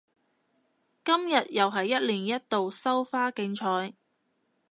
今日又係一年一度收花競賽